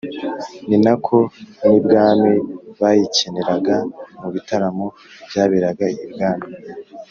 ninako n’ibwami bayikeneraga, mu bitaramo byaberaga ibwami.